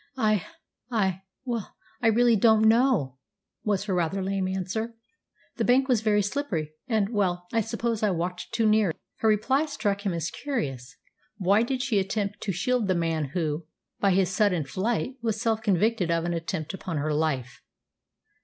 "I I well, I really don't know," was her rather lame answer. "The bank was very slippery, and well, I suppose I walked too near." Her reply struck him as curious. Why did she attempt to shield the man who, by his sudden flight, was self convicted of an attempt upon her life?